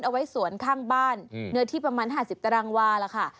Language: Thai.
เอาไว้สวนข้างบ้านเนื้อที่ประมาณ๕๐ตารางวาล่ะค่ะ